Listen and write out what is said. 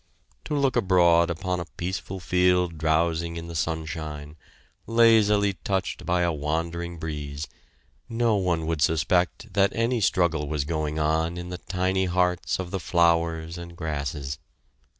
To look abroad upon a peaceful field drowsing in the sunshine, lazily touched by a wandering breeze, no one would suspect that any struggle was going on in the tiny hearts of the flowers and grasses.